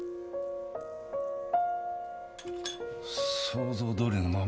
想像どおりのママ